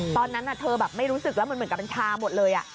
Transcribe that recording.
ตอนนั้นเธอแบบไม่รู้สึกแล้วมันเหมือนกับเป็นชาหมดเลย